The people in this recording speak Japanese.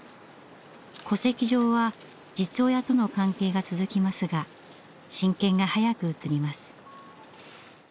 戸籍上は実親との関係が続きますが親権が早く移ります。